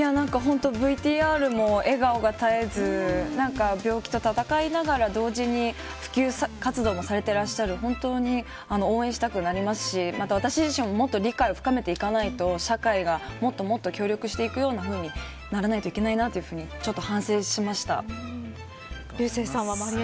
ＶＴＲも笑顔が絶えず病気と闘いながら同時に普及活動もされていらっしゃる本当に応援したくなりますし私ももっと理解を深めていかないと社会がもっともっと協力していくようにならないといけないなと反省しました。